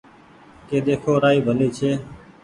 ڪي ۮيکو رآئي ڀلي ڇي